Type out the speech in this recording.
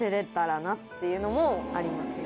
っていうのもありますね。